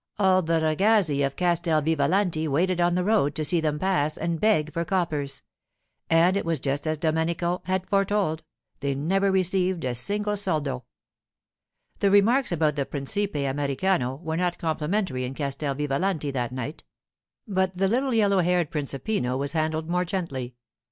All the ragazzi of Castel Vivalanti waited on the road to see them pass and beg for coppers; and it was just as Domenico had foretold: they never received a single soldo. The remarks about the principe Americano were not complimentary in Castel Vivalanti that night; but the little yellow haired principino was handled more gently.